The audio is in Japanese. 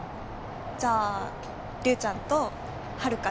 じゃあ「リュウちゃん」と「はるか」で。